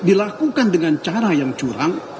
dilakukan dengan cara yang curang